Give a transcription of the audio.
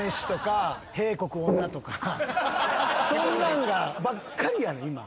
そんなんばっかりやねん今。